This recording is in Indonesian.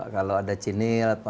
kalau ada cinil